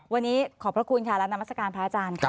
วันนี้ขอบพระคุณค่ะและนามัศกาลพระอาจารย์ค่ะ